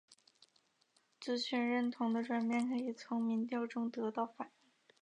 族群认同的转变可以从民调中得到反映。